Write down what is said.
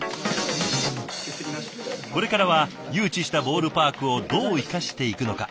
これからは誘致したボールパークをどう生かしていくのか。